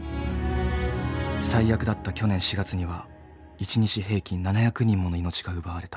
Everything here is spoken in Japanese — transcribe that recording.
最悪だった去年４月には一日平均７００人もの命が奪われた。